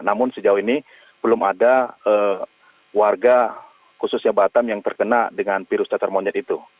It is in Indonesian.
namun sejauh ini belum ada warga khususnya batam yang terkena dengan virus cacar monyet itu